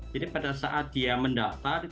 jadi saat dia mendaftar